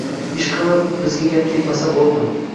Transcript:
Ishqilib, bizga gap tegmasa bo‘ldi.